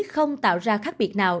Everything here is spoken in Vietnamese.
không tạo ra khác biệt nào